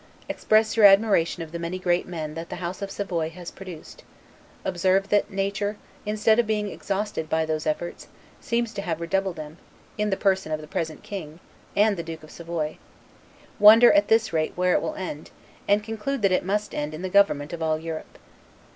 Express your admiration of the many great men that the House of Savoy has produced; observe that nature, instead of being exhausted by those efforts, seems to have redoubled them, in the person of the present King, and the Duke of Savoy; wonder, at this rate, where it will end, and conclude that it must end in the government of all Europe.